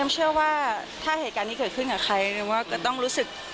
เชื่อว่าถ้าเหตุการณ์นี้เกิดขึ้นกับใครว่าก็ต้องรู้สึก